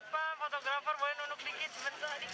pak fotografer boleh nunuk dikit bentar dikit